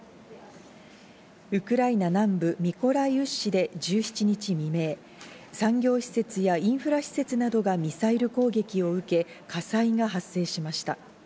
ウクライナ南部ミコライウ市で１７日未明、産業施設やインフラ施設などがミサイル攻撃を受け、火災が発生しました。